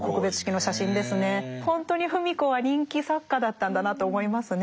ほんとに芙美子は人気作家だったんだなと思いますねえ。